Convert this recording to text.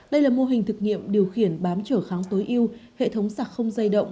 đây là mô hình thực nghiệm điều khiển bám trở kháng tối yêu hệ thống sạc không dây động